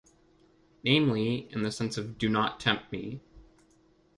Namely, in the sense of do not tempt me!